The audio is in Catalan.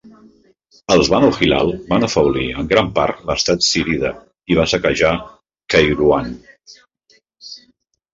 Els Banu Hilal van afeblir en gran part l'estat zírida i va saquejar Kairuan.